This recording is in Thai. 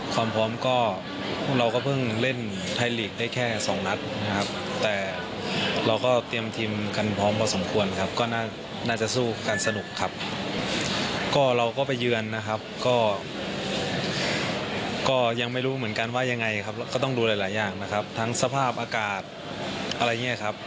ก็ต้องดูหลายอย่างนะครับทั้งสภาพอากาศอะไรอย่างนี้ครับ